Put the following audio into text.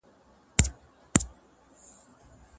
مذهبي آزادي د انسان فطري غوښتنه ده.